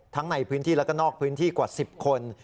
ทั้งในพื้นที่และก็นอกพื้นที่กว่า๑๐คน